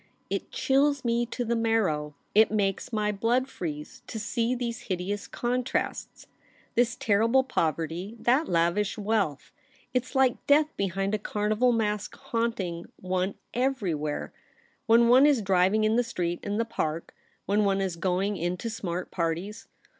' It chills me to the marrow ; it makes my blood freeze, to see these hideous contrasts — this terrible poverty, that lavish wealth. It's like death behind a carnival mask hauntino one everywhere — when one is driving in the streets and the Park ; when one is going in to smart parties.